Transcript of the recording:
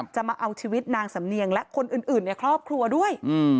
มาเอาชีวิตนางสำเนียงและคนอื่นในครอบครัวด้วย